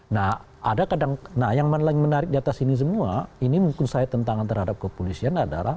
nah ada kadang nah yang paling menarik di atas ini semua ini menurut saya tentangan terhadap kepolisian adalah